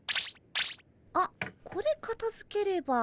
あっこれかたづければ。